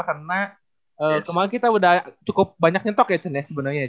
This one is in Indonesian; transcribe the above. karena kemarin kita udah cukup banyak nyentok ya cun ya sebenarnya